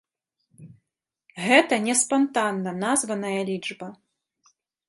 Гэта не спантанна названая лічба.